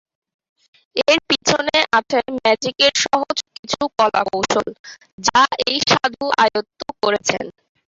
এর পিছনে আছে ম্যাজিকের সহজ কিছু কলাকৌশল, যা এই সাধু আয়ত্ত করেছেন।